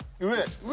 上。